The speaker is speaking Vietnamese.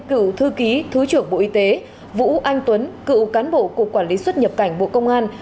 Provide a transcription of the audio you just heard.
cựu thư ký thứ trưởng bộ y tế vũ anh tuấn cựu cán bộ cục quản lý xuất nhập cảnh bộ công an